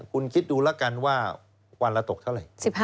คุณคิดดูแล้วกันว่าวันละตกเท่าไหร่